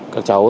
các cháu sẽ